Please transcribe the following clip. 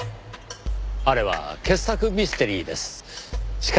あれは傑作ミステリーです。